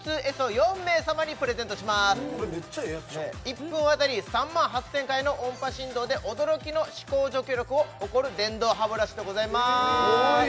１分当たり３万８０００回の音波振動で驚きの歯こう除去力を誇る電動歯ブラシでございます